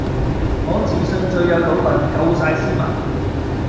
我自信最有賭品,夠曬斯文